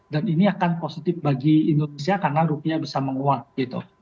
dan ini akan positif bagi indonesia karena rupiah bisa menguat gitu